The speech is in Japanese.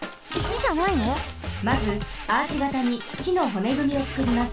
まずアーチがたにきのほねぐみをつくります。